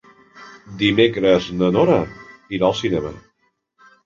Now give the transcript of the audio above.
Dimecres na Nora irà al cinema.